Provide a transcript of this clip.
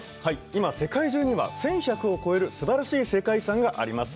今世界中には１１００を超えるすばらしい世界遺産があります